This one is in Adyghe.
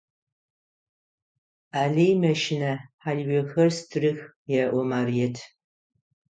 Алый мэщынэ, хьалыжъохэр стырых, – elo Марыет.